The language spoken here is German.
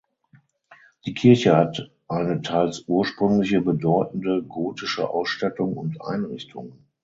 Die Kirche hat eine teils ursprüngliche bedeutende gotische Ausstattung und Einrichtung.